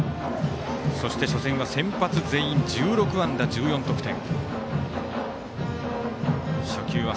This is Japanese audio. そして、初戦は先発全員１６安打１４得点。